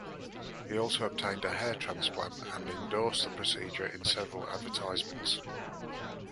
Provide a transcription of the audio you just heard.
He also obtained a hair transplant and endorsed the procedure in several advertisements.